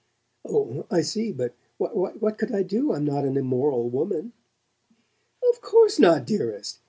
"Oh, I see. But what could I do? I'm not an immoral woman." "Of course not, dearest.